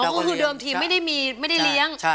ก็คือเดิมทีไม่ได้เลี้ยง